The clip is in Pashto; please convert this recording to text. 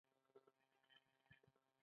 د بلا ګانو توره ساه نڅیږې